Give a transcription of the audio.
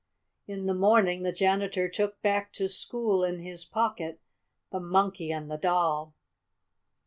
In the morning the janitor took back to school in his pocket the Monkey and the Doll.